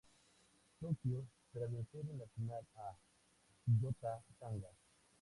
Tokyo, tras vencer en la final a Kyoto Sanga.